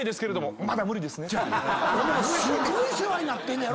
すごい世話になってんのやろ？